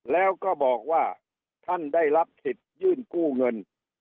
แล้วก็บอกว่าท่านได้รับสิทธิ์ยื่นกู้เงิน